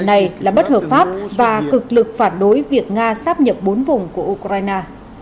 này là bất hợp pháp và cực lực phản đối việc nga sáp nhập bốn vùng của ukraine